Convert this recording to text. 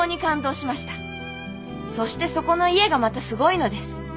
そしてそこの家がまたすごいのです。